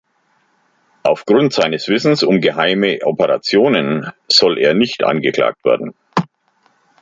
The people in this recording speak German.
Aufgrund seines Wissens um geheime Operationen soll er nicht angeklagt werden.